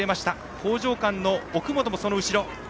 興譲館の奥本もその後ろ。